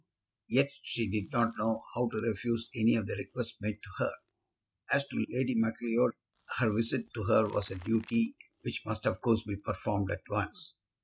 Yet she did not know how to refuse any of the requests made to her. As to Lady Macleod, her visit to her was a duty which must of course be performed at once.